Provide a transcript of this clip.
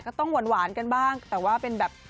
ก็ต้องหวานกันบ้างแต่ว่าเป็นแบบ